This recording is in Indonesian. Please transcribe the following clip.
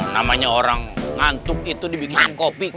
namanya orang ngantuk itu dibikin kopi kan